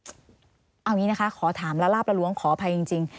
เอาอย่างนี้นะคะขอถามละลาบละล้วงขออภัยจริง